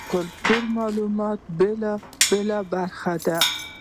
ګټورمعلومات په بېلا بېلو برخو کې دي.